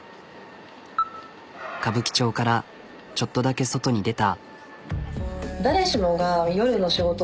歌舞伎町からちょっとだけ外に出た。